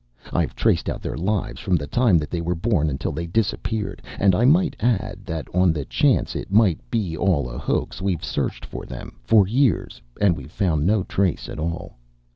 I've traced out their lives from the time that they were born until they disappeared and I might add that, on the chance it might be all a hoax, we've searched for them for years and we've found no trace at all.